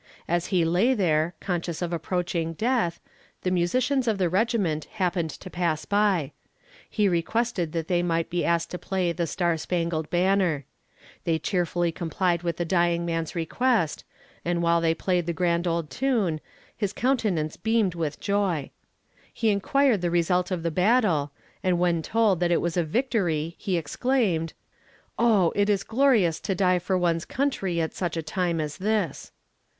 As he lay there, conscious of approaching death, the musicians of the regiment happened to pass by. He requested that they might be asked to play the "Star Spangled Banner." They cheerfully complied with the dying man's request, and while they played the grand old tune his countenance beamed with joy. He inquired the result of the battle, and when told that it was a victory he exclaimed "Oh! it is glorious to die for one's country at such a time as this!"